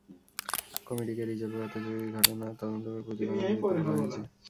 কমিটিকে রিজার্ভের অর্থ চুরির ঘটনা তদন্ত করে প্রতিবেদন দিতে বলা হয়েছে।